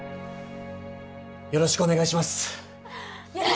よろしくお願いします！